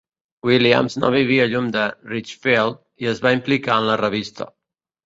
Williams no vivia lluny de Ridgefield, i es va implicar en la revista.